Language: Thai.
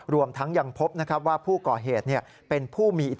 รวมทั้งยังพบว่าผู้ก่อเหตุเป็นผู้มีอิทธิ